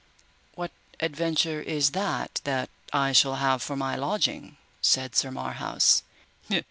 What adventure is that that I shall have for my lodging? said Sir Marhaus.